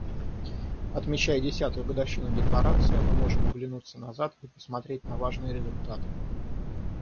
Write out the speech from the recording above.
Отмечая десятую годовщину Декларации, мы можем оглянуться назад и посмотреть на важные результаты.